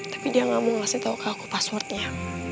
tapi dia gak mau ngasih tau ke aku passwordnya